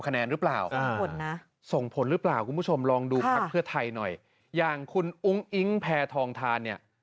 คะแนนหรือเปล่าส่งผลหรือเปล่าคุณผู้ชมลองดูพักเพื่อไทยหน่อยอย่างคุณอุ้งอิ๊งแพทองทานเนี่ย